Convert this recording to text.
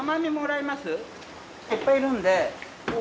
いっぱいいるんで。